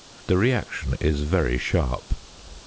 The reaction is very sharp.